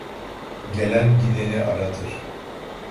Gelen gideni aratır.